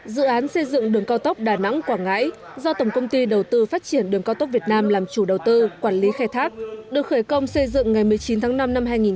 dự án xây dựng đường cao tốc đà nẵng quảng ngãi do tổng công ty đầu tư phát triển đường cao tốc việt nam làm chủ đầu tư quản lý khai thác được khởi công xây dựng ngày một mươi chín tháng năm năm hai nghìn một mươi ba